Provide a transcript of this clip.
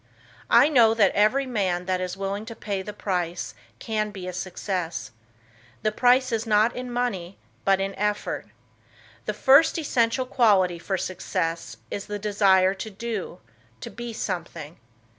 I know that every man that is willing to pay the price can be a success. The price is not in money, but in effort. The first essential quality for success is the desire to do to be something.